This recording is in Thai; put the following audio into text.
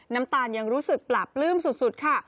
น้ำตาลยังรู้สึกปลาปลื้มสุดค่ะ